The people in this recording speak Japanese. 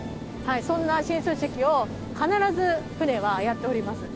そんな進水式を必ず船はやっております。